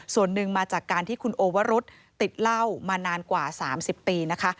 ส่วนหนึ่งมาจากการที่คุณโอวรุษติดเหล้ามานานกว่า๓๐ปีนะคะ